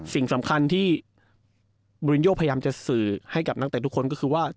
สิ่งสำคัญที่บูรินโยพยายามจะสื่อให้กับนักเตะทุกคนก็คือว่า